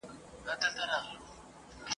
او که خدای مه کړه !.